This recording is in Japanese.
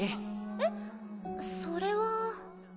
えっそれは